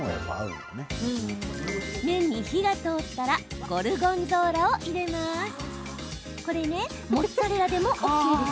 麺に火が通ったらゴルゴンゾーラを入れます。